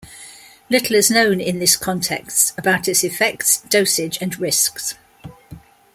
Little is known in this context about its effects, dosage, and risks.